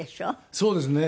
そうですね。